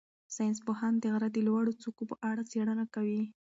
ساینس پوهان د غره د لوړو څوکو په اړه څېړنه کوي.